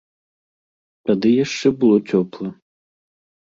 Тады яшчэ было цёпла.